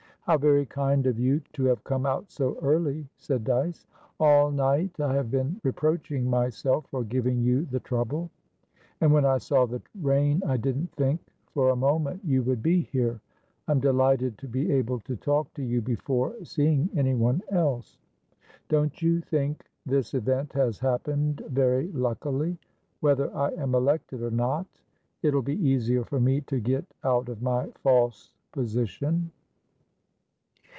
"How very kind of you to have come out so early!" said Dyce. "All night I've been reproaching myself for giving you the trouble, and when I saw the rain I didn't think for a moment you would be here. I'm delighted to be able to talk to you before seeing anyone else. Don't you think this event has happened very luckily? Whether I am elected or not, it'll be easier for me to get out of my false position."